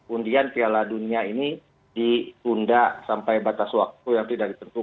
undian piala dunia ini ditunda sampai batas waktu yang tidak ditentukan